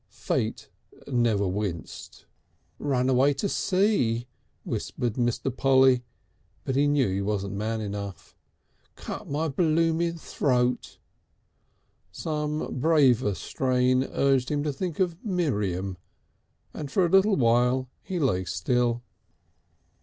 Fate never winced. "Run away to sea," whispered Mr. Polly, but he knew he wasn't man enough. "Cut my blooming throat." Some braver strain urged him to think of Miriam, and for a little while he lay still....